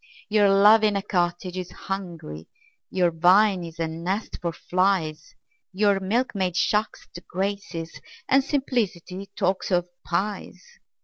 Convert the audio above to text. Your love in a cottage is hungry, Your vine is a nest for flies Your milkmaid shocks the Graces, And simplicity talks of pies!